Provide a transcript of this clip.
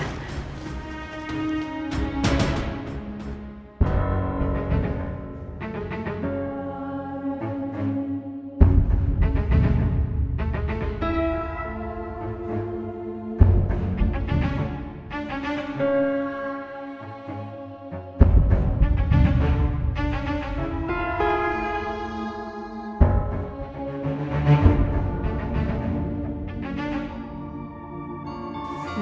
terima kasih mbak